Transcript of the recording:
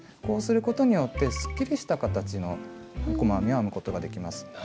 こうすることによってすっきりした形の細編みを編むことができます。